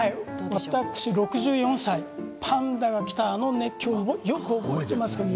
私６４歳パンダが来た熱狂は覚えています。